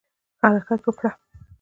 حرکت وکړه